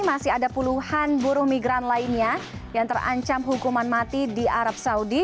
masih ada puluhan buruh migran lainnya yang terancam hukuman mati di arab saudi